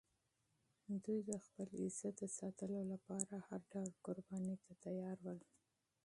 دوی د خپل عزت د ساتلو لپاره هر ډول قربانۍ ته چمتو ول.